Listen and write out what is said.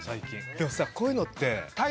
でもさこういうのって。